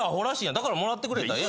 だからもらってくれたらええ。